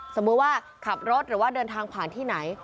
สมมุติว่าขับรถหรือว่าเดินทางผ่านที่ไหน